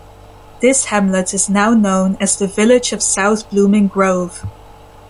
This hamlet is now known as the Village of South Blooming Grove.